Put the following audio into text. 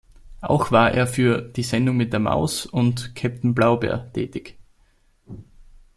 Auch war er für "Die Sendung mit der Maus" und "Käpt’n Blaubär" tätig.